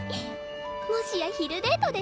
もしや昼デートですか？